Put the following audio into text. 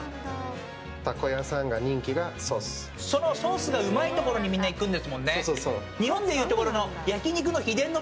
そのソースがうまいところにみんな行くんですもんね。